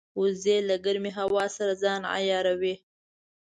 وزې له ګرمې هوا سره ځان عیاروي